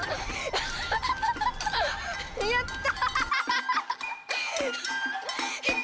やった！